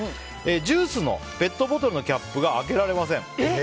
ジュースのペットボトルのキャップが開けられません。